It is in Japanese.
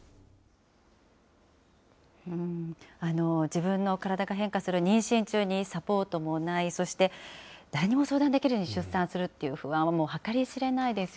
自分の体が変化する妊娠中にサポートもない、そして、誰にも相談できずに出産するっていう不安はもう計り知れないです